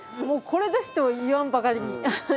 もうこれですと言わんばかりに。